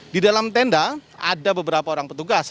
di dalam tenda ada beberapa orang petugas